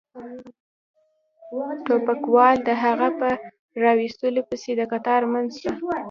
ټوپکوال د هغه په را وستلو پسې د قطار منځ ته.